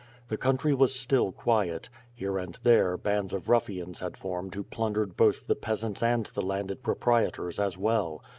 The country was still quiet; here and there, bands of ruffians had formed who plun dered both the peasants and the landed proprietors as well.